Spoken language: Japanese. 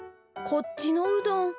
こっちのうどん？